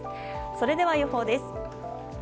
それでは予報です。